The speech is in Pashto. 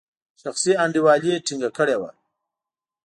شخصي انډیوالي ټینګه کړې وه.